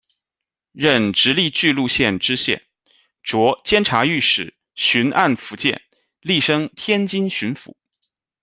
任直隶钜鹿县知县，擢监察御史，巡按福建，历升天津巡抚